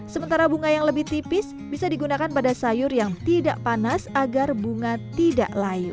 sementara bunga yang lebih tipis bisa digunakan pada sayur yang tidak panas agar bunga tidak lain